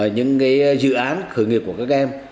những dự án khởi nghiệp của các em